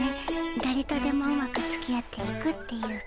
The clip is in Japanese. だれとでもうまくつきあっていくっていうか。